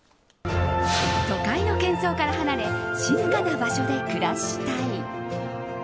都会の喧騒から離れ静かな場所で暮らしたい。